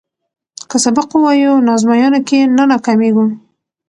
که سبق ووایو نو ازموینه کې نه ناکامیږو.